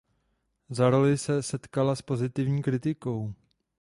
Za roli se setkala s pozitivní kritikou.